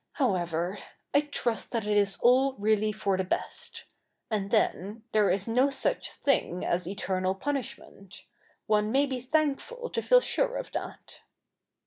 How ever — I trust that it is all really for the best. And then — there is no such thing as eternal punishment. One may be thankful to feel sure of that.'